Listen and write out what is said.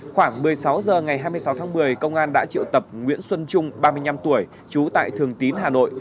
khoảng một mươi sáu h ngày hai mươi sáu tháng một mươi công an đã triệu tập nguyễn xuân trung ba mươi năm tuổi trú tại thường tín hà nội